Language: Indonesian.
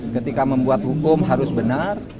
ketika membuat hukum harus benar